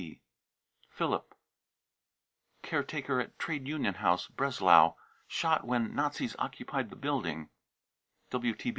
{WTB.) philipp,' "care taker at Trade Union House, Breslau, shot when Nazis occupied the building.